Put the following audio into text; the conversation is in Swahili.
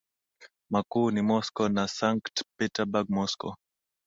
makuu ni Moscow na Sankt Peterburg Moscow